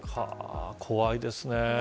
怖いですね。